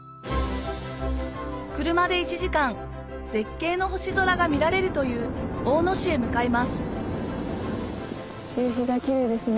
車で１時間絶景の星空が見られるという大野市へ向かいます夕日がキレイですね。